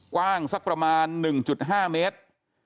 กว้างสักประมาณ๑๕เมตร